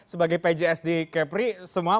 sebagai pjsd kepri semua